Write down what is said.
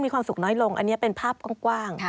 มีความสุขน้อยลงอันนี้เป็นภาพกว้าง